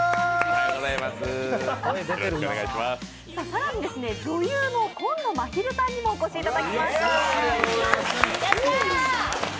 更に女優の紺野まひるさんにもお越しいただきました。